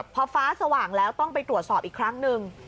พอฟ้าสว่างแล้วต้องไปตรวจสอบอีกครั้งหนึ่ง